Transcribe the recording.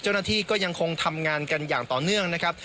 เจ้าหน้าที่ก็ยังคงทำงานกันอย่างต่อเนื่องนะครับ